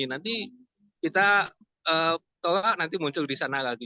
nanti kita tolak nanti muncul di sana lagi